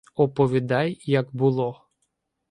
Оповідай, як було.